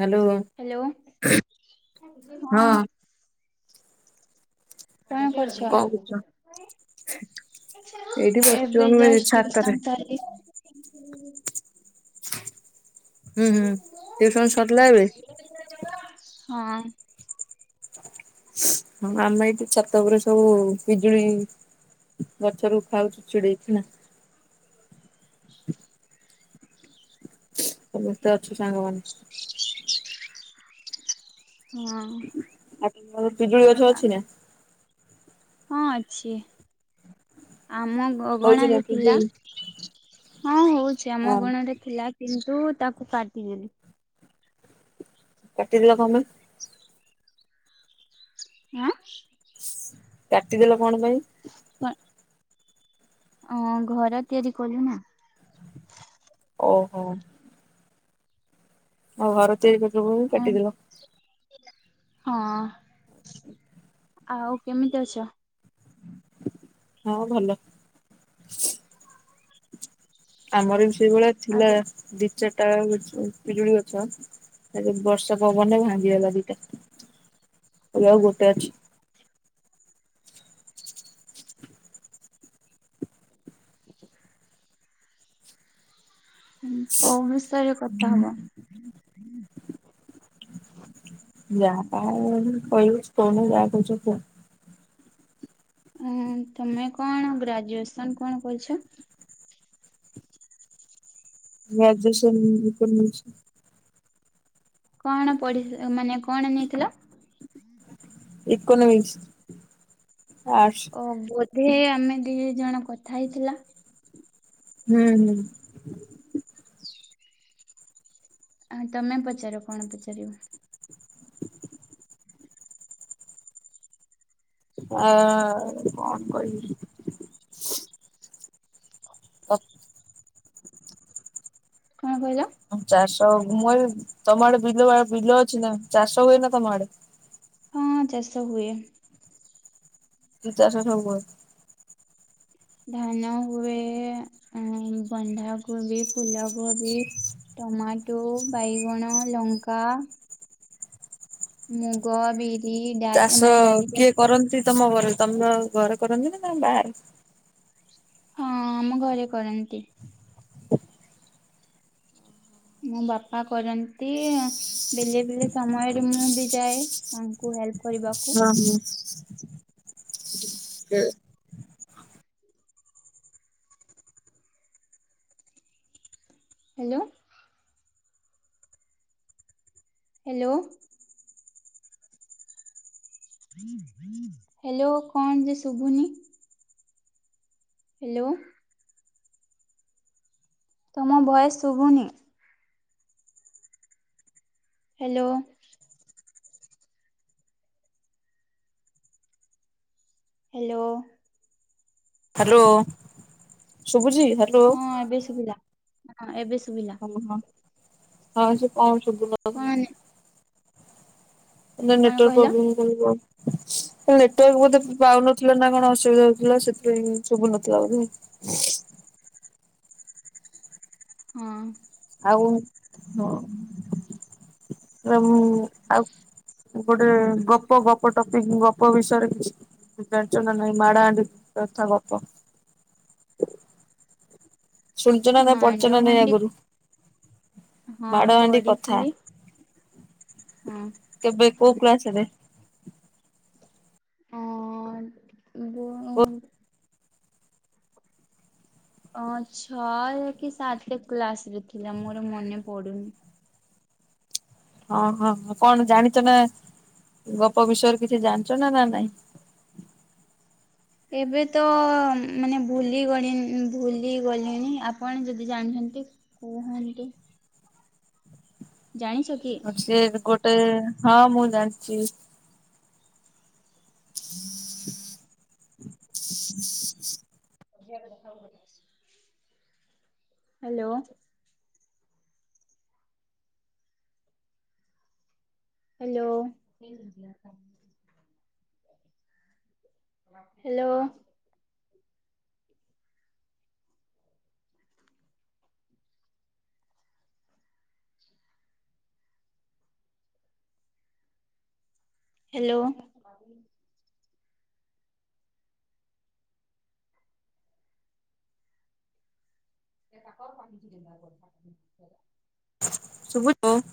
Hello ହଁ। Hello ହଁ କଣ କରଛ? କରୁଛ? ଏଇଠି ବସିଛୁ ଏବେ ଆମେ ଜଷ୍ଟ ଛାତରେ। Recently. ହୁଁ ହୁଁ ଟିଉସନ ସର୍ଲା ଏବେ? ହଁ। ଆମେ ଏଇଠି ଛାତ ଉପରେ ସବୁ ପିଜୁଳି ଗଛରୁ ଖାଉଛୁ ଛିଡେଇ କି ନା। ସମସ୍ତେ ଅଛୁ ସାଙ୍ଗମାନେ। ହଁ। ଆ ପିଜୁଳି ଗଛ ଅଛି ନା? ହଁ ଅଛି ଆମ ହଉଛି ନା ଗଗଣାରେ ଥିଲା। ପିଜୁଳି। ହଁ ହଉଛି ଆମ ହଁ ଅଗଣରେ ଥିଲା କିନ୍ତୁ ତାକୁ କାଟିିଦେଲି। କାଟିଦେଲ କଁ ପାଇଁ? ହେଁ। କାଟିଦେଲ କଣ ପାଇଁ? ଅ ଘର ତିଆରି କଲୁ ନା। ଓହୋ। ଓ ଘର ତିଆରି କରୁଥିଲ ବୋଲି କାଟିଦେଲ। ହଁ। ଆଉ କେମିତି ଅଛ? ହଁ ଭଲ। ଆମର ବି ସେଇଭଳିଆ ଆଉ ଥିଲା। ଦି ଚାରିଟା ପିଜୁଳି ଗଛ। କାଲି ବର୍ଷା ପବନରେ ଭାଙ୍ଗିଗଲା ଦିଟା, ଏବେ ଆଉ ଗୋଟେ ଅଛି। କୋଉ ବିଷୟରେ କଥା ହବ? ଯାହା ପାଇଁ କହିବ ଫୋନ୍ ରେ ଯାହା କରଛ କୁହ। ଅ' ତମେ କଣ ଗ୍ରାଜୁଏସନ କଣ କରିଛ? ଗ୍ରାଜୁଏସନ୍ ମୁଁ କଣ ନେଇଛି? କଣ ପଢି-ମାନେ କଣ ନେଇଥିଲ? ଇକୋନୋମିକ୍ସ। ଆର୍ଟସ। ଓ ବୋଧେ ଆମେ ଦି ଜଣ କଥା ହେଇଥିଲା। ହୁଁ ହୁଁ। ଆ ତମେ ପଚାର କଣ ପଚାରିବ? ଆ କଣ କହିବି। ଓ- କଣ କହିଲ? ଚାଷ, ମୁ କହିଲି ତମ ଆଡେ ବିଲ, ବିଲ ଅଛି ନା? ଚାଷ ହୁଏ ନା ତମ ଆଡେ? [inaudible] ହଁ ଚାଷ ହୁଏ। କି ଚାଷ ସବୁ ହୁଏ। ଧାନ ହୁଏ, ଏ ବନ୍ଧା କବି ଫୁଲ କବି। ଟମାଟୋ ବାଇଗଣ ଲଙ୍କା ମୁଗ ବିରି ଡାଲି ଚାଷ ମାନେ ଡାଲି କିଏ ଜାତୀୟ କରନ୍ତି ତମ ଘରେ? ତମ ଘରେ କରନ୍ତି ନା ବାହାରେ? ହଁ ଆମ ଘରେ କରନ୍ତି। ମୋ ବାପା କରନ୍ତି। ବେଳେ ବେଳେ ସମୟରେ ମୁଁ ବି ଯାଏ ତାଙ୍କୁ ହେଲ୍ପ କରିବାକୁ ହଁ ହୁଁ। [inaudible] ହ୍ୟାଲୋ। ହ୍ୟାଲୋ। ହ୍ୟାଲୋ କଣ ଯେ ଶୁଭୁନି? ହ୍ୟାଲୋ। ତମ ଭଏସ୍ ଶୁଭୁନି? ହ୍ୟାଲୋ। ହ୍ୟାଲୋ। ହ୍ୟାଲୋ ଶୁଭୁଚି? ହଁ ଏବେ ଶୁଭିଲା। ହଁ ଏବେ ସୁ ଓ ହୋ। ହଁ ସେ ଶୁଭୁ କଣ ନଥିଲା। ଏନା କଣ ନେଟୱାର୍ କହିଲ ପ୍ରୋବ୍ଲେମ୍ ରହିବ। ମୋ ନେଟୱାର୍କ ବୋଧେ ପାଉନଥିଲା ନା, କଣ ଅସୁବିଧା ହଉଥିଲା। ସେଥିପାଇଁ ସୁଭୁନଥିଲା ବୋଧେ। ହଁ। ଆଉ ହଁ, ସବୁ ଆଉ। ଗୋଟେ ଗପ, ଗପ ଟପିକ। ଗପ ବିଷୟରେ କିଛି ଜାଣିଛନା ନାଇଁ ମାଡ ହାଣ୍ଡି କଥା ଗପ? ଶୁଣିଛ ନା ନାଇଁ? ପଢୁଛ ମାଡ ନା ନାଇଁ ହାଣ୍ଡି ଆଗରୁ? ହଁ ମାଡ଼ହାଣ୍ଡି କଥା। ପଢିଥିଲି ହଁ କେବେ କୋଉ କ୍ଲାସରେ? ଆ। [unintelligible] ଅ ଛ ରେ କି ସାତେ ଟା କ୍ଲାସ ରେ ଥିଲା ମୋର ମନେ ପଡୁନି। ହଁ ହଁ କଣ ଜାଣିଛ ନା ଗପ ବିଷୟରେ କିଛି ଜାଣିଛ ନା ନା ନାଇଁ? [inaudible] ଏବେ ତ ମାନେ ଭୁଲି ଗଲି ଭୁଲି ଗଲେଣି ଆପଣ ଯଦି ଜାଣିଛନ୍ତି [unintelligible] କୁହନ୍ତୁ। ଜାଣି ସିଏ ଗୋଟେ ହଁ ମୁଁ ଜାଣିଚି। [inaudible] [unintelligible] Hello. Hello. Hello. Hello. [unintelligible] Subhu. [unintelligible]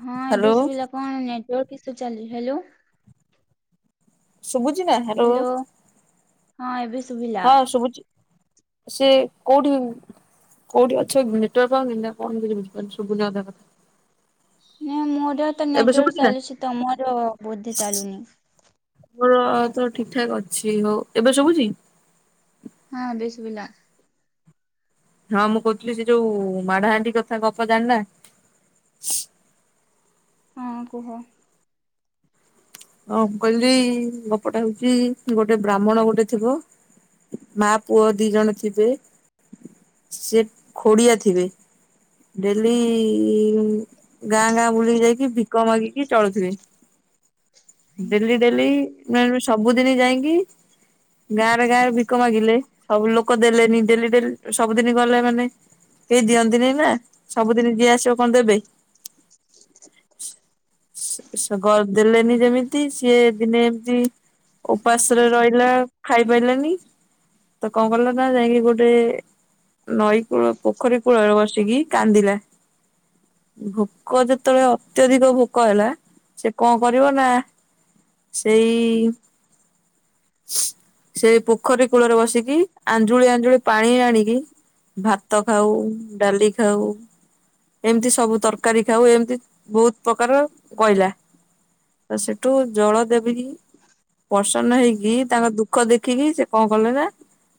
ହଁ ଏବେ ସୁବିଲା କଣ ନେଟୱର୍କ ଇସ୍ୟୁ ଚାଲି, ହ୍ୟାଲୋ ଶୁଭୁଛି ନା? ହ୍ୟାଲୋ। ହଁ ଏବେ ଶୁଭିଲା। ହଁ ଶୁଭୁଚି ସେ କୋଉଠି କୋଉଠି ଅଛ ନେଟୱର୍କ ପାଉନି ନା କଣ କିଛି ବୁଝିପାରୁନି ଶୁଭୁନି ଅଧା କଥା। ନା ମୋର ତ ଏବେ ନେଟୱାର୍କ ଶୁଭୁଛି ନା? ଚାଲୁଛି ତମର ବୋଧେ ଚାଲୁନି। ମୋର ତ ଠିକ୍ ଠାକ୍ ଅଛି। ହଉ ଏବେ ଶୁବୁଛି? ହଁ ଏବେ ଶୁବିଲା। ହଁ ମୁଁ କହୁଥିଲି ସେ ଯୋଉ ମାଡହାଣ୍ଡି କଥା ଗପ ଜାଣିନାହାଁନ୍ତି? [inaudible] ହଁ କୁହ। ହଁ କହିଲି ଗପଟା ହଉଛି ଗୋଟେ ବ୍ରାହ୍ମଣ ଗୋଟେ ଥିବ ମା ପୁଅ ଦି ଜଣ ଥିବେ। ସେ ଖୋଡ଼ିଆ ଥିବେ। ଡେଲି ଗାଁ ଗାଁ ବୁଲିକି ଯାଇକି ଭିକ ମାଗିକି ଚଳୁଥିବେ। ଡେଲି ଡେଲି ମାନେ ସବୁଦିନ ଯାଇଁକି ଗାଁରେ ଗାଁରେ ଭିକ ମାଗିଲେ ସବୁ ଲୋକ ଦେଲେନି। ଡେଲି ଡେଲି ସବୁଦିନ ଗଲେ ମାନେ କେହି ଦିଅନ୍ତିନିନା ସବୁଦିନ ଯିଏ ଆସିବ କଣ ଦେବେ? ସେ ଗ ଦେଲେନି ଯେମିତି ସିଏ ଦିନେ ଏମିତି ଉପାସରେ ରହିଲା। ଖାଇପାରିଲାନି। ତ କଣ କଲନା ଯାଇକି ଗୋଟେ ନଈ କୂଳ ପୋଖରୀ କୂଳରେ ବସିକି କାନ୍ଦିଲା। ଭୋକ ଯେତେବେଳେ ଅତ୍ୟଧିକ ଭୋକ ହେଲା ସେ କଣ କରିବ ସେଇ ସେ ପୋଖରୀ କୂଳରେ ବସିକି ଆଞ୍ଜୁଳି ଆଞ୍ଜୁଳି ପାଣି ଆଣିକି ଭାତ ଖାଉ, ଡାଲି ଖାଉ ଏମିତି ସବୁ ତରକାରୀ ଖାଉ ଏମିତି ବହୁତ ପ୍ରକାର କହିଲା। ତ ସେଠୁ ଜଳ ଦେବି ପ୍ରସନ୍ନ ହେଇକି ତାଙ୍କ ଦୁଃଖ ଦେଖିକି ସେ କଣ କଲେ ନା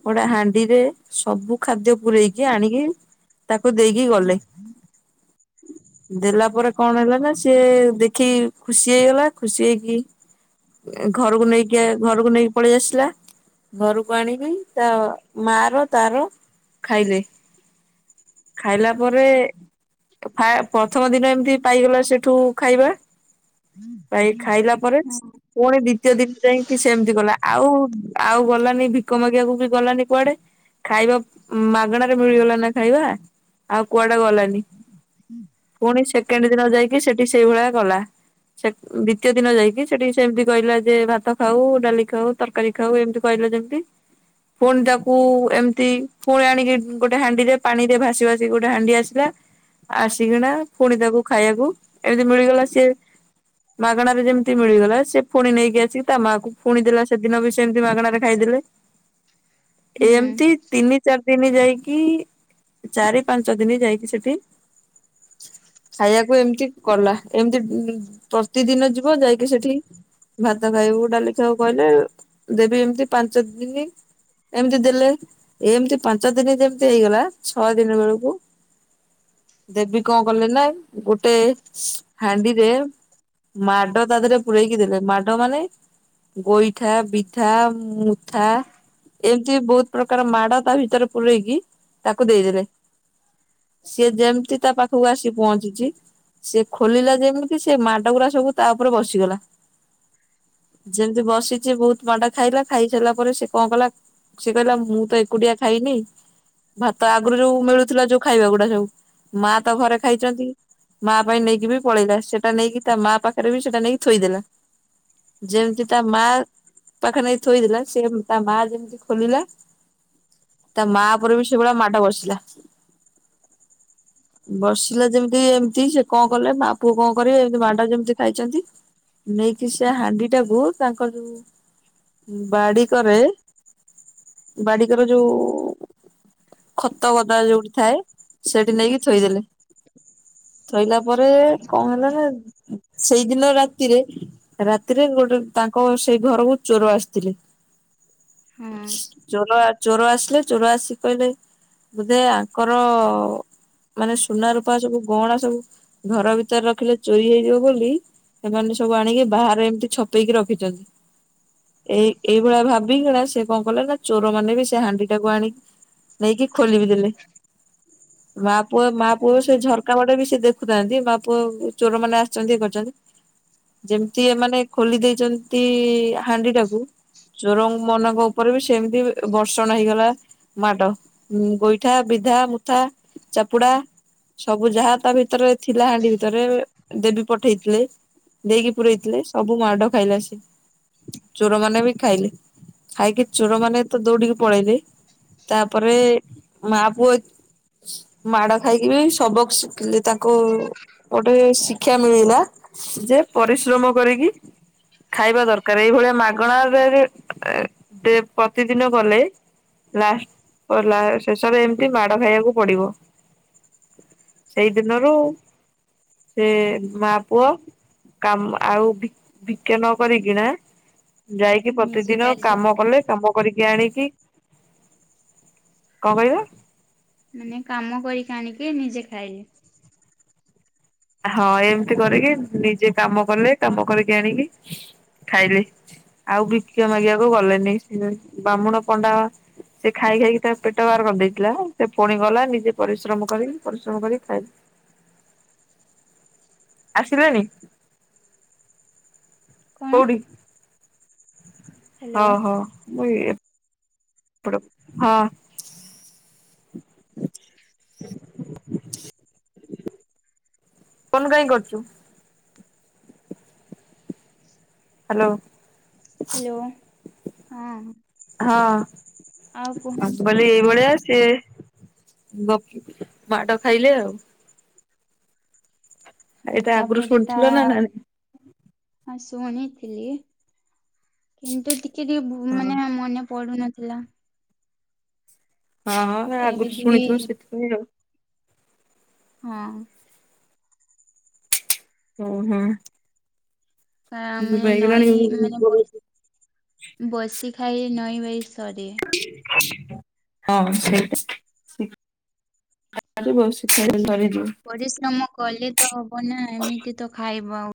ଗୋଟେ ହାଣ୍ଡିରେ ସବୁ ଖାଦ୍ୟ ପୁରେଇକି ଆଣିକି ତାକୁ ଦେଇକି ଗଲେ। ଦେଲା ପରେ କଣ ହେଲା ନା ସିଏ ଦେଖିକି ଖୁସି ହେଇଗଲା। ଖୁସି ହେଇକି ଘରକୁ ନେଇକି ଘରକୁ ନେଇକି ପଳେଇ ଆସିଲା। ଘରୁକୁ ଆଣିବି ତା ମାଆର ତାର ଖାଇଲେ। ଖାଇଲା ପରେ ଫାଏ ପ୍ରଥମ ଦିନ ଏମିତି ପାଇଗଲା ସେଠୁ ଖାଇବା। [inaudible] ପାଇ ଖାଇଲା ପରେ ପୁଣି ଦ୍ଵିତୀୟ ଦିନ ଯାଇକି ସେମିତି ଗଲା ଆଉ ଆଉ ଗଲାନି ଭିକ କ ମାଗିବାକୁ ବି ଗଲାନି କୁଆଡେ ଖାଇବା ମାଗଣାରେ ମିଳିଗଲା ନା ଖାଇବା। ଆଉ କୁଆଡେ ଗଲାନି। ଫୁଣି ସେକେଣ୍ଡ ଦିନ ଯାଇକି ସେଠି ସେଇଭଳିଆ କଲା। ସେ ଦ୍ୱିତୀୟ ଦିନ ଯାଇକି ସେଠି ସେମିତି କହିଲା ଯେ ଭାତ ଖାଉ, ଡାଲି ଖାଉ, ତରକାରୀ ଖାଉ ଏମିତି କହି ହିଲା ଯେମିତି ଫୁଣି ତାକୁ ଏମିତି ଫୁଣି ଆଣିକି ଗୋଟେ ହାଣ୍ଡିରେ ପାଣିରେ ଭା ଭାସି ଭାସି ଗୋଟେ ହାଣ୍ଡି ଆସିଲା। ଆସିକିନା ଫୁଣି ତାକୁ ଖାଇବାକୁ ଏମିତି ମିଳିଗଲା ସିଏ ମାଗଣାରେ ଯେମିତି ମିଳିଗଲା ସେ ଫୁଣି ନେଇକି ଆସିକି ତା ମାଆକୁ ଫୁଣି ଦେଲା ସେଦିନ ବି ସେମିତି ମାଗଣାରେ ଖାଇଦେ ଲେ ହୁଁ ଏମତି ତିନି ଚାରି ଦିନ ଯାଇକି ଚାରି ପାଞ୍ଚ ଦିନି ଯାଇକି ସେଠି ଖାଇବାକୁ ଏମିତି କଲା ଏମିତି ଉଁ ପ୍ରତିଦିନ ଯିବ ଯାଇକି ସେଠି ଭାତ ଖାଇବୁ, ଡାଲି ଖାଇବୁ, କହିଲେ ଦେବେ ଏମିତି ପାଞ୍ଚ ଦିନି ଏମିତି ଦେଲେ ଏମିତି ପାଞ୍ଚ ଦିନି ଯେମିତି ହେଇଗଲା ଛଅ ଦିନି ବେଳୁକୁ ଦେବୀ କଁ କଲେ ନା ଗୋଟେ ହାଣ୍ଡିରେ ମାଡ ତା ଦେହରେ ପୂରୋଇକି ଦେଲେ ମାଡ ମାନେ ଗୋଇଠା ବିଧା ମୁଥା ଏମିତି ବୋହୁତ ପ୍ରକାର ମାଡ ତା ଭିତରେ ପୁରେଇକି ତାକୁ ଦେଇଦେଲେ ସିଏ ଯେମିତି ତା ପାଖକୁ ଆସିିକ ପହଞ୍ଚିଛି ତା ସିଏ ଖୋଲିଲା ଯେମିତି ସେ ମାଡ ଗୁରା ସବୁ ତା ଉପରେ ବସିଗଲା। ଯେମିତି ବସିଛି ବହୁତ ମାଡ଼ ଖାଇଲା ଖାଇସାରିଲା ପରେ ସିଏ କଁ କଲା ସେ କହିଲା ମୁଁ ତ ଏକୁଟିଆ ଖାଇନି ଭାତ ଆଗୁରୁ ଯୋଉ ମିଳୁଥିଲା ଯୋଉ ଖାଇବା ଗୁଡା ସବୁ ମାଆ ତ ଘରେ ଖାଇଚନ୍ତି। ମାଆ ପାଇଁ ନେଇକି ବି ପଳେଇଲା ସେଟା ନେଇକି ତା ମାଆ ପାଖରେ ବି ସେଟା ନେଇକି ଥୋଇଦେଲା। ଯେମିତି ତା ମାଆ ପାଖେରେ ନେଇ ଥୋଇଦେଲା ସିଏ ତା ମାଆ ଯେମିତି ଖୋଲିଲା ତା ମାଆ ଉପରେ ବି ସେଇ ଭଳିଆ ମାଡ଼ ବସିଲା। ବସିଲା ଯେମିତି ଏମିତି ସିଏ କଁ କଲେ ମାଆ ପୁଅ କଁ କରିବେ ଏମିତି ମାଡ ଯେମିତି ଖାଇଛନ୍ତି। ନେଇକି ସେ ହାଣ୍ଡିଟାକୁ ତାଙ୍କ ଯୋଉ ବାଡି କରେ ବାଡିକର ଯୋଉ ଖତ ଗଦା ଯୋଉଠି ଥାଏ ସେଇଠି ନେଇକି ଥୋଇଦେଲେ। ଥୋଇଲା ପରେ କଁ ହେଲା ନା ସେଇଦିନ ରାତିରେ ରାତିରେ ଗୋଟେ ତା ତାଙ୍କ ସେଇ ଘରକୁ ଚୋରୋ ଆସିଥିଲେ। ହୁଁ। ଚୋଲୋ ଆ ଚୋରୋ ଆସିଲେ ଚୋରୋ ଆସି କହିଲେ ବୋଧେ ଆଙ୍କର ମାନେ ସୁନା, ରୂପା ସବୁ ଗହଣା ସବୁ ଘର ଭିତରେ ରଖିଲେ ଚୋରି ହେଇଯିବ ବୋଲି ସେମାନେ ସବୁ ଆଣିକି ବାହାରେ ଏମିତି ଛପେଇକି ରଖିଚନ୍ତି। ଏଇ ଏଇଭଳିଆ ଭାବିକିନା ସେ କଁ କଲେ ନା ଚୋରୋ ମାନେ ବି ସେ ହାଣ୍ଡିଟାକୁ ଆଣିକି ନେଇକି ଖୋଲି ବିି ଦେଲେ ମାଆ ପୁଅ ମାଆ ପୁଅ ସେ ଝର କାପଟେ ସିଏ ଦେଖୁଥାନ୍ତି ମାଆ ପୁଅ ଚୋରୋ ମାନେ ଆସିଛନ୍ତି ଇଏ କରିଚନ୍ତି ଯେମିତି ଏମାନେ ଖୋଲି ଦେଇଚନ୍ତି ହାଣ୍ଡି ଟାକୁ ଚୋରୋ ମନଙ୍କ ଓପରେ ବି ସେମିତି ବର୍ଷଣ ହେଇଗଲା ମାଡ, ଗୋଇଠା, ବିଧା, ମୁଥା, ଚାପୁଡା। ସବୁ ଯାହା ତା ଭିତରେ ଥିଲା ହାଣ୍ଡି ଭିତରେ ଦେବୀ ପଠେଇଥିଲେ। ଦେଇକି ପୁରେଇଥିଲେ ସବୁ ମାଡ ଖାଇଲା ସିଏ ଚୋରୋମାନେ ବି ଖାଇଲେ ଖାଇକି ଚୋରୋ ମାନେ ତ ଦୌଡିକି ପଳେଇଲେ। ବେ ମାଆ ପୁଅ ମାଡ ଖାଇକି ବି ସବକ୍ ସି [unintelligible] ତାଙ୍କୁ ଗୋଟେ ଶି କ୍ଷା ମିଳିଲା ଯେ ପରିଶ୍ରମ କରିକି ଖାଇବା ଦରକାର ଏଇଭଳିଆ ମାଗଣାରେରେ ଦେ ପ୍ରତିଦିନ ଗଲେ ଲାଷ୍ଟ ଲା ଶେଷରେ ଏମିତି ମାଡ ଖାଇବାକୁ ପଡିବ। ସେଇଦିନରୁ ସେ ମା ପୁଅ କାମ ଆଉ ଭି ଭି ନ କରି କିିଣା ଯାଇକି ନିଜେ ପ୍ରତିଦିନ କାର୍ଯ୍ୟ କାମ କଲେ କାମ କରିକି ଆଣିକି କଣ କହିଲ ମାନେ କାମ କରିକି ଆଣିକି ନିଜେ ଖାଇଲି ହଁ ଏମିତି କରିକି ନିଜେ କାମ କଲେ କାମ କରିକି ଆଣିକି ଖାଇଲି ଆଉ ଭିକ୍ଷା ମାଗିବାକୁ ଗଲେନି ବାମୁଣ ପଣ୍ଡା ସେ ଖାଇ ଖାଇକି ତା ପେଟ ବାହାର କରିଦେଇଥିଲା ସେ ପୁଣି ଗଲା ନିଜେ ପରିଶ୍ରମ କରି ପରିଶ୍ରମ କରି ଖାଇ ଆସିଲେନି? କଣ କଉଠି? ହ୍ୟାଲୋ ହଉ ହଉ ମୁଁ ଇଏ ପ ହଁ। ଫୋନ କାଇଁ କରୁଚୁ? ହ୍ୟାଲୋ। ହ୍ୟାଲୋ। ହଁ। ହଁ ଆଉ ମୁଁ କୁହନ୍ତୁ କହିଲି ଏ ଭଳିଆ ସେ ଗ ମାଡ ଖାଇଲେ ଆଉ ଏଇଟା ଆଗରୁ ତାପରେ ତା ଶୁଣିଥିଲ ନା ନାଇଁ ଶୁଣିଥିଲି କିନ୍ତୁ ଟିକେ ଟିକେ ବୁ ହଁ। ମାନେ ମନେ ପଡୁ ନଥିଲା। ହଁ ହଁ ଏ ଆଗରୁ ଯଦି ଶୁଣିଥିବ ସେଥିପାଇଁ ଆଉ। ହଁ। ଓ ହୋ। ତା ମାନେ ନଈ ମାନେ ବ ବସିକ୍ ଖାଇ ନଈଁ ଭାଇ ସରେ। ହଁ ସେଇଟା। [unintelligible] ସରିଯିବ। ପରିଶ୍ରମ କଲେ ତ ହବ ନା ଏମିତି ତ ଖାଇବ ଆଉ